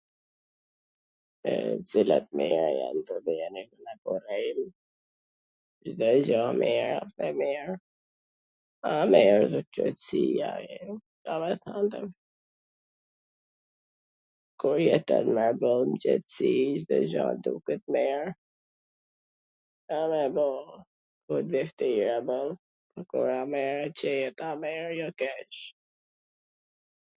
Cilat mira jan... Cdo gja e mir asht e mir, qetsia, ... kur jeton boll n qetsi, Cdo gja duket mir...